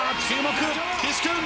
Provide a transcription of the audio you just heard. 岸君。